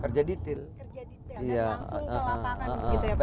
kerja detail langsung ke lapangan gitu ya pak